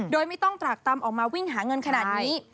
โดยไม่ต้องตรากตำออกมาวิ่งหาเงินขนาดนี้